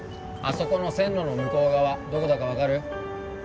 あそこの線路の向こう側どこだか分かる？